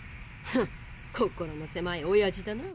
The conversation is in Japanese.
フン心のせまいおやじだな。